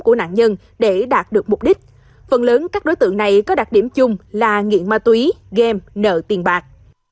của nạn nhân để đạt được mục đích phần lớn các đối tượng này có đặc điểm chung là nghiện ma túy game nợ tiền bạc